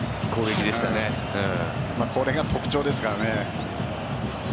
これが特徴ですからね。